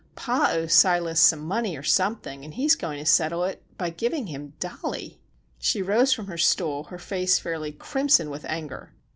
"Pa owes Silas some money or something, and he is going to settle it by giving him Dollie!" She rose from her stool, her face fairly crimson with anger.